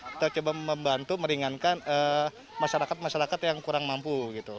kita coba membantu meringankan masyarakat masyarakat yang kurang mampu gitu